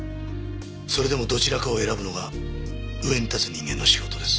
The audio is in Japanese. それでもどちらかを選ぶのが上に立つ人間の仕事です。